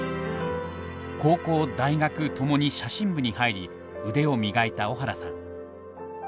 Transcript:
高校大学ともに写真部に入り腕を磨いた小原さん。